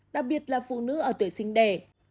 đặc biệt là phụ nữ ở tuổi sinh đẻ